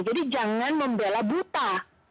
jadi jangan membela buta